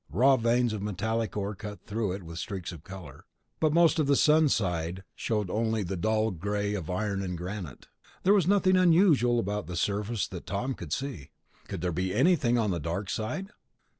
Raw veins of metallic ore cut through it with streaks of color, but most of the sun side showed only the dull gray of iron and granite. There was nothing unusual about the surface that Tom could see. "Could there be anything on the dark side?"